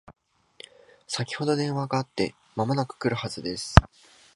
先ほど電話があって間もなく来るはずです